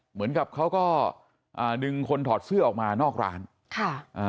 เหมือนกับเขาก็อ่าดึงคนถอดเสื้อออกมานอกร้านค่ะอ่า